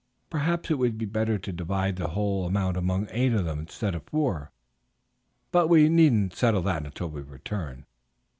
Perhaps it would be better to divide the whole among eight of them instead of four; but we need not settle that until we return."